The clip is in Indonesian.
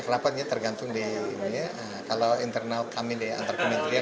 rapatnya tergantung kalau internal kami di antar kementerian